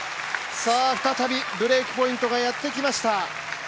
再びブレークポイントがやってきました。